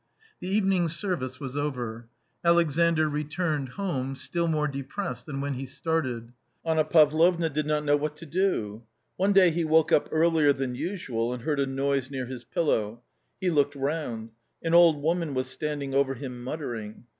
The evening service was over. Alexandr returned home, still more depressed than when he started. Anna Pavlovna did not know what to do. One day he woke up earlier than usual and heard a noise near his pillow. He looked round ; an old woman was standing over him muttering.